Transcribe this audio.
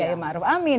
pak imaruf amin